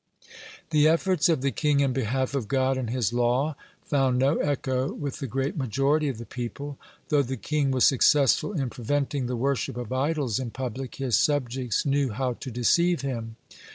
(118) The efforts of the king in behalf of God and His law found no echo with the great majority of the people. Though the king was successful in preventing the worship of idols in public, his subjects knew how to deceive him.